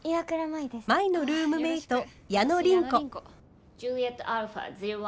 舞のルームメイト矢野倫子。